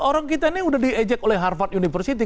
orang kita ini sudah diejek oleh harvard university